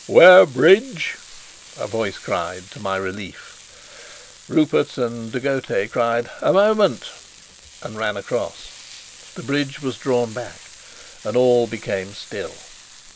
"'Ware bridge!" a voice cried, to my relief. Rupert and De Gautet cried, "A moment!" and ran across. The bridge was drawn back, and all became still.